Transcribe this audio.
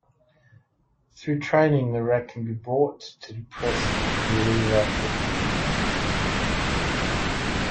Through training the rat can be brought to depress the lever frequently.